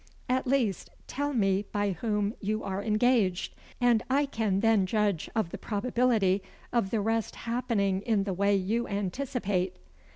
"At least, tell me by whom you are engaged, and I can then judge of the probability of the rest happening in the way you anticipate?"